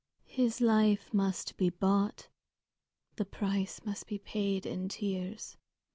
His life must be bought; the price must be paid in tears.